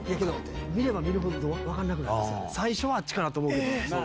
見るほど分かんなくなる最初はあっちかと思うけど。